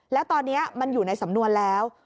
แล้วตอนนี้มันอยู่ในสำนวนแล้ว